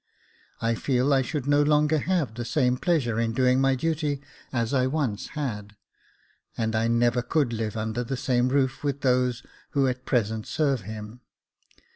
I feel I should no longer have the same pleasure in doing my duty as I once had, and I never could live under the same roof with those who at present serve him.